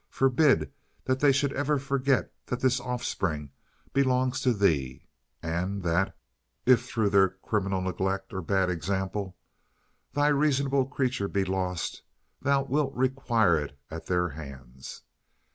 Forbid that they should ever forget that this offspring belongs to Thee, and that, if through their criminal neglect or bad example Thy reasonable creature be lost, Thou wilt require it at their hands.